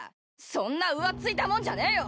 そんな浮ついたもんじゃねえよ。